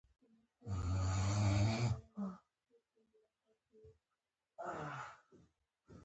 که د بن نیمچه پروسه عملي هم شوله